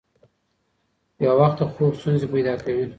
بې وخته خوب ستونزې پیدا کوي.